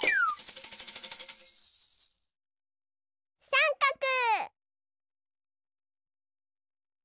さんかく！